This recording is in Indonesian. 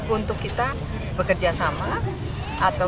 untuk kita bekerjasama